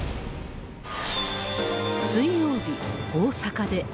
水曜日、大阪で。